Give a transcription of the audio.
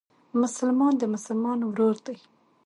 مسلمان د مسلمان ورور دئ.